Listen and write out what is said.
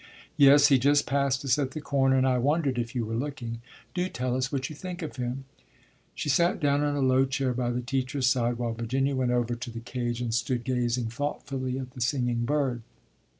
"Yes, he just passed us at the corner, and I wondered if you were looking. Do tell us what you think of him." She sat down in a low chair by the teacher's side, while Virginia went over to the cage and stood gazing thoughtfully at the singing bird.